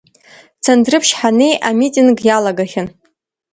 Цандрыԥшь ҳаннеи амитинг иалагахьан.